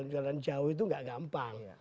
jalan jauh itu gak gampang